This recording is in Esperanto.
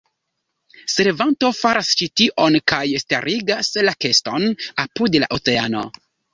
Servanto faras ĉi tion kaj starigas la keston apud la oceano.